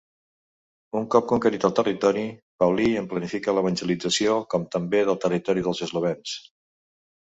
Un cop conquerit el territori, Paulí en planificà l'evangelització, com també del territori dels eslovens.